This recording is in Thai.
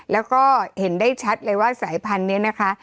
แล้วก็เห็นได้ชัดเลยว่าสายพันธุ์นี้นะคะ